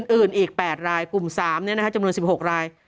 อื่นอีก๘รายกลุ่ม๓เนี่ยนะคะจำนวน๑๖ราย